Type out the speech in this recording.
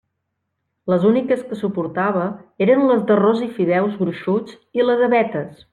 Les úniques que suportava eren les d'arròs i fideus gruixuts i la de vetes.